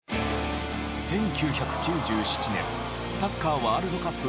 １９９７年サッカーワールドカップ